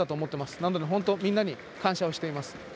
なので、本当にみんなに感謝をしています。